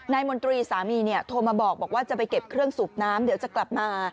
มนตรีสามีโทรมาบอกว่าจะไปเก็บเครื่องสูบน้ำเดี๋ยวจะกลับมา